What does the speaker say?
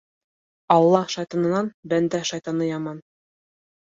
Алла шайтанынан бәндә шайтаны яман.